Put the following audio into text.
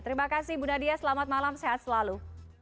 terima kasih bu nadia selamat malam sehat selalu